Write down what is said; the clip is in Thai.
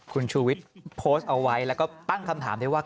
คุณชูวิทย์โพสต์เอาไว้แล้วก็ตั้งคำถามได้ว่า